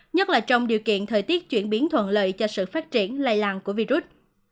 nhất là trong điều kiện thời tiết chuyển biến thuận lợi cho sự phát triển lây lan của virus